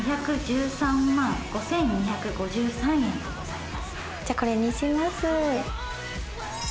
２１３万５２５３円でございます。